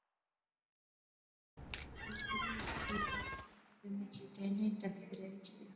او پھیدری اُٹھی تے مجیدے نے دفترے وچ گیا